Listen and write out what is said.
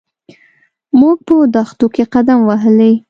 موږ په دښتو کې قدم وهلی.